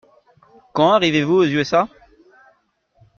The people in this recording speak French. Quand arrivez-vous aux USA ?